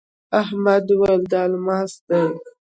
احمد وويل: دا الماس دی.